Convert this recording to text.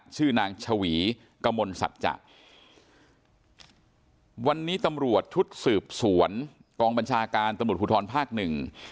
ชื่อนางชวีกมลสัจจะวันนี้ตำรวจชุดสืบสวนกองบัญชาการตำรวจภูทรภาคหนึ่ง